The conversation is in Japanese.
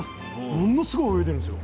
ものすごい泳いでるんですよ